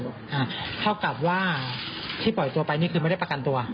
เท่ากับว่าที่ปล่อยตัวไปนี่คือไม่ได้ประกันตัว